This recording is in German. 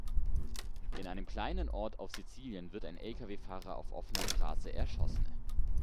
In einem kleinen Ort auf Sizilien wird ein Lkw-Fahrer auf offener Straße erschossen.